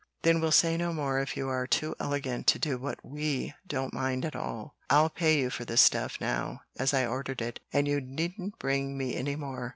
"Then we'll say no more if you are too elegant to do what WE don't mind at all. I'll pay you for this stuff now, as I ordered it, and you needn't bring me any more.